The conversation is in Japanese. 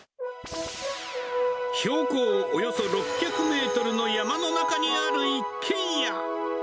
標高およそ６００メートルの山の中にある一軒家。